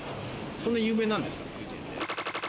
そんな有名なんですか？